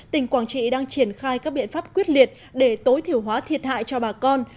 tỉnh quảng trị đang triển khai các biện pháp quyết liệt để tối thiểu hóa thiệt hại cho bà con